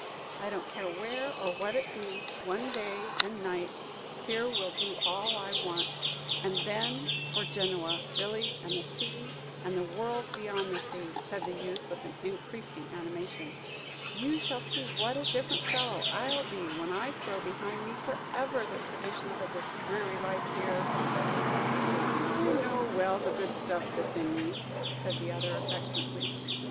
"I don't care where or what it be; one day and night here will do all I want. And then for Genoa, Billy, and the sea, and the world beyond the sea," said the youth, with increasing animation. "You shall see what a different fellow I'll be when I throw behind me forever the traditions of this dreary life here." "I know well the good stuff that's in ye," said the other, affectionately.